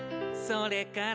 「それから」